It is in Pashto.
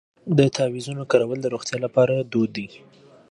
د تعویذونو کارول د روغتیا لپاره دود دی.